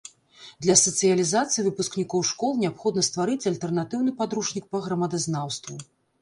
Для сацыялізацыі выпускнікоў школ неабходна стварыць альтэрнатыўны падручнік па грамадазнаўству.